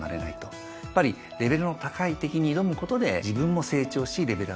やっぱりレベルの高い敵に挑むことで自分も成長しレベルアップすると。